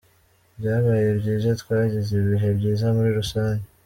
Byabaye byiza, twagize ibihe byiza muri rusange.